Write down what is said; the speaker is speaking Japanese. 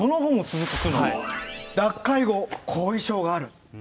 脱会後、後遺症がある。